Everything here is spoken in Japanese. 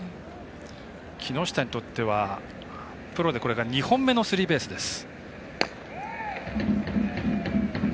木下にとってはこれがプロで２本目のスリーベースです。